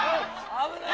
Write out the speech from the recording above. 危ない。